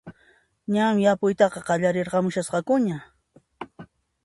Ñan yapuytaqa qallariramushasqakuña